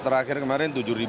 terakhir kemarin rp tujuh